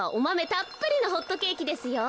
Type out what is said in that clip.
たっぷりのホットケーキですよ。